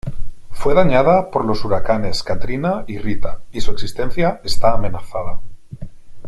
Fue dañada por los huracanes Katrina y Rita y su existencia está amenazada.